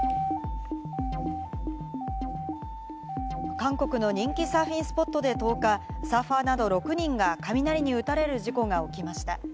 韓国の人気サーフィンスポットで１０日、サーファーなど６人が雷に打たれる事故が起きました。